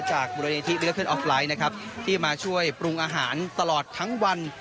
จากบริเวณอฟไลท์นะครับที่มาช่วยปรุงอาหารตลอดทั้งวัน